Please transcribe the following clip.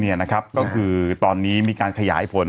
นี่นะครับก็คือตอนนี้มีการขยายผล